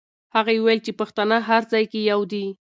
هغې وویل چې پښتانه هر ځای کې یو دي.